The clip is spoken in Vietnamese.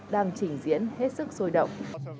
đang trình diễn hết sức sôi động